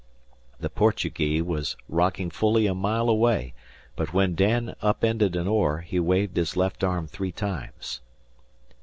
The "Portugee" was rocking fully a mile away, but when Dan up ended an oar he waved his left arm three times.